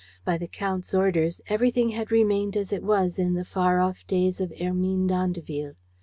By the Count's orders, everything had remained as it was in the far off days of Hermine d'Andeville.